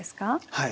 はい。